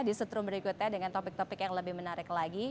di setrum berikutnya dengan topik topik yang lebih menarik lagi